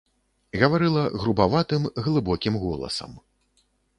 Гаварыла грубаватым, глыбокім голасам.